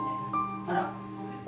あら。